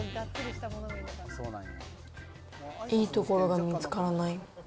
いいところが見つからない。